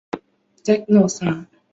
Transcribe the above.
永禄三年继承家督。